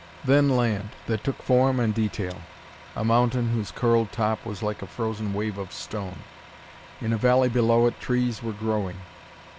Then land, that took form and detail; a mountain whose curled top was like a frozen wave of stone. In a valley below it trees were growing.